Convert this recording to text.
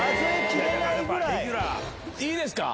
いいですか？